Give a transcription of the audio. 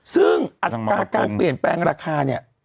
ซึ่งอัตราการเปลี่ยนแปลงราคาเนี่ย